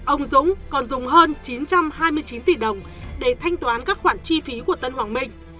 ông dũng còn dùng hơn chín trăm hai mươi chín tỷ đồng để thanh toán các khoản chi phí của tân hoàng minh